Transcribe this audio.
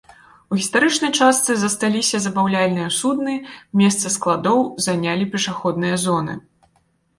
У гістарычнай частцы засталіся забаўляльныя судны, месца складоў занялі пешаходныя зоны.